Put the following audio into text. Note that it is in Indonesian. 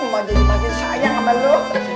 mau jadi makin sayang sama lo